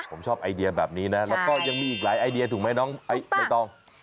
ผมชอบไอเดียแบบนี้นะแล้วก็ยังมีอีกหลายไอเดียถูกไหมน้องใบตอง